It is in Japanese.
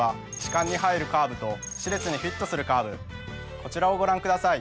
こちらをご覧ください